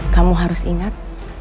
kamu harus ingat